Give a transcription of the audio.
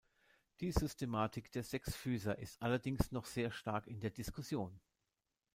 Die Systematik der Sechsfüßer ist allerdings noch sehr stark in der Diskussion.